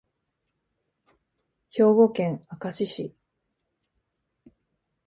兵庫県明石市